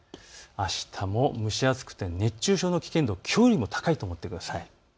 あしたも蒸し暑くて熱中症の危険度、きょうよりも高いと思ってください。